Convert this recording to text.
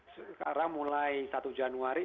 sekarang mulai satu januari